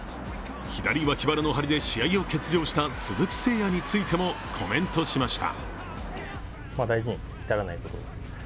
左脇腹の張りで試合を欠場した鈴木誠也についてもコメントしました。